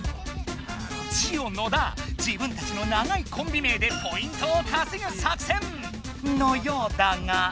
ジオ野田自分たちの長いコンビ名でポイントをかせぐ作戦！のようだが。